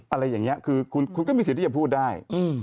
อะไรอย่างนี้คือคุณก็มีสิทธิ์ที่จะพูดได้